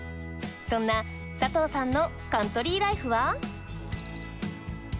そんな佐藤さんのカントリーライフは？